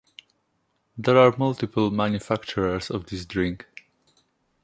There are multiple manufacturers of this drink.